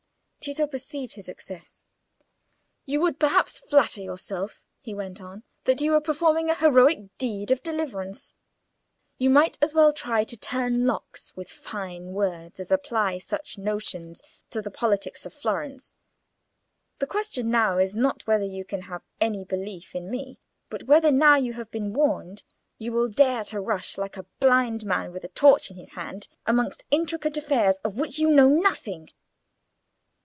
Tito perceived his success. "You would perhaps flatter yourself," he went on, "that you were performing a heroic deed of deliverance; you might as well try to turn locks with fine words as apply such notions to the politics of Florence. The question now is, not whether you can have any belief in me, but whether, now you have been warned, you will dare to rush, like a blind man with a torch in his hand, amongst intricate affairs of which you know nothing."